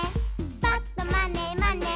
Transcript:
「ぱっとまねまね」